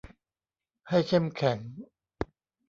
ให้เข้มแข็ง